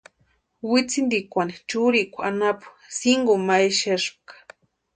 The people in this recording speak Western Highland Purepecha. Witsintikwani churikwa anapu sinkuni ma exespka.